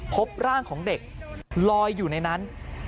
พบร่างของเด็กลอยอยู่ในนั้น